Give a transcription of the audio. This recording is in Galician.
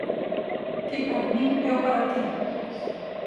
Ti para min, eu para ti.